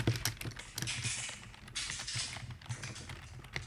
Počátkem první světové války odešel do penze.